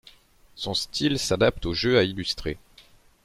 Son style s'adapte aux jeux à illustrer.